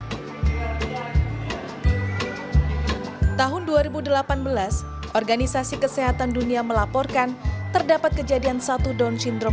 hai tahun dua ribu delapan belas organisasi kesehatan dunia melaporkan terdapat kejadian satu down sindrom